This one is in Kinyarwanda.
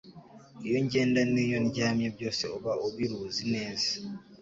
iyo ngenda n’iyo ndyamye byose uba ubiruzi neza